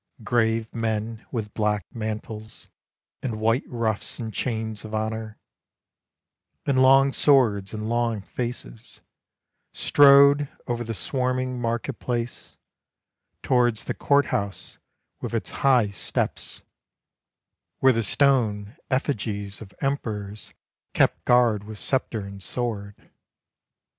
Grave men with black mantles, And white ruffs, and chains of honor, And long swords and long faces, Strode over the swarming market place, Towards the court house with its high steps, Where the stone effigies of emperors Kept guard with scepter and sword.